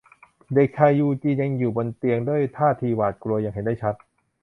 เด็กชายยูจีนยังอยู่บนเตียงด้วยท่าทีหวาดกลัวอย่างเห็นได้ชัด